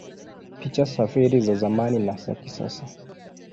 Picha za feri za zamani na za kisasa